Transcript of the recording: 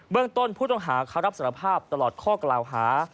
ต้นผู้ต้องหาเขารับสารภาพตลอดข้อกล่าวหา